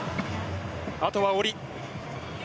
あとは下り。